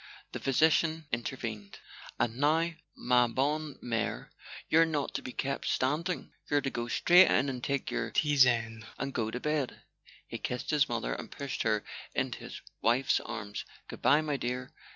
The physician intervened. "And, now, ma bonne Trier e, you're not to be kept standing. You're to go straight in and take your tisane and go to bed." He kissed his mother and pushed her into his wife's arms. "Good bye, my dear.